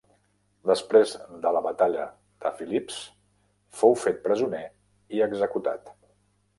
Després de la batalla de Filips fou fet presoner i executat.